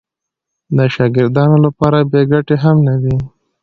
د شاګردانو لپاره بې ګټې هم نه دي.